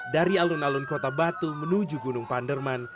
dari alun alun kota batu menuju gunung panderman